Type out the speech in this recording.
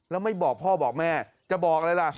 แล้วไม่บอกพ่อบอกแม่จะบอกอะไรล่ะ